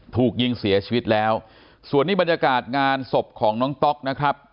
ถูกยิงเสียชีวิตแล้วส่วนนี้บรรยากาศงานศพของน้องต๊อกนะครับ